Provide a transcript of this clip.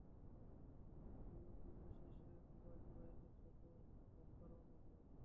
উহুদ যুদ্ধ শেষে উবাই কুরাইশদের সাথে মক্কা রওনা হয়।